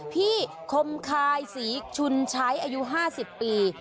คมคายศรีชุนใช้อายุ๕๐ปี